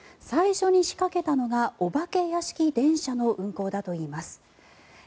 最初に仕掛けたのがお化け屋敷電車の運行だといいます。